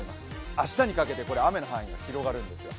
明日にかけて雨の範囲が広がるんですよ。